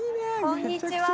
こんにちは。